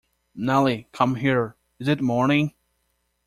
Nelly, come here — is it morning?